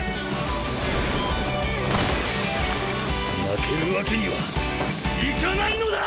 負けるわけにはいかないのだ！